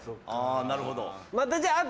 あなるほど。